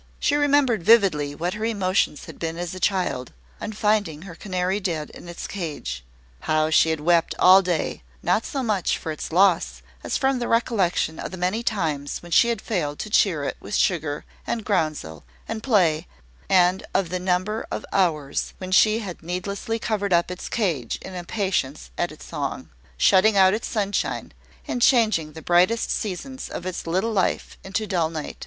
She remembered vividly what her emotions had been as a child, on finding her canary dead in its cage; how she had wept all day, not so much for its loss as from the recollection of the many times when she had failed to cheer it with sugar, and groundsel, and play, and of the number of hours when she had needlessly covered up its cage in impatience at its song, shutting out its sunshine, and changing the brightest seasons of its little life into dull night.